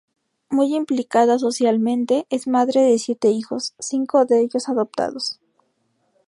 Muy implicada socialmente, es madre de siete hijos, cinco de ellos adoptados.